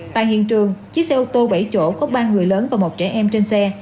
tại hiện trường chiếc xe ô tô bảy chỗ có ba người lớn và một trẻ em trên xe